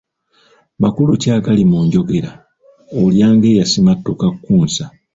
Makulu ki agali mu njogera, ‘Olya ng'eyasimattuka Kkunsa'